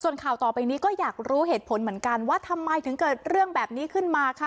ส่วนข่าวต่อไปนี้ก็อยากรู้เหตุผลเหมือนกันว่าทำไมถึงเกิดเรื่องแบบนี้ขึ้นมาค่ะ